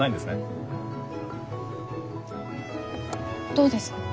どうですか？